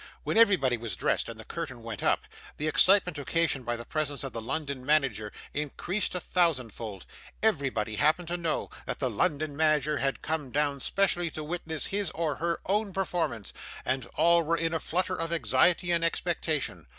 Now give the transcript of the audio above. When everybody was dressed and the curtain went up, the excitement occasioned by the presence of the London manager increased a thousand fold. Everybody happened to know that the London manager had come down specially to witness his or her own performance, and all were in a flutter of anxiety and expectation.